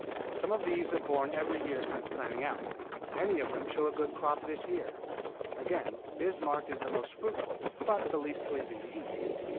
Some of these have borne every year since planting out, many of them showing a good crop this year. Again Bismarck is the most fruitful, but the least pleasing to eat.